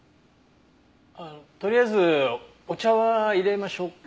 あっとりあえずお茶はいれましょうか？